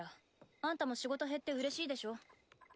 あんたも仕事減ってうれしいでしょ？